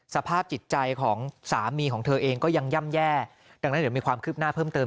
สภาพจิตใจของสามีของเธอเองก็ยังย่ำแย่ดังนั้นเดี๋ยวมีความคืบหน้าเพิ่มเติม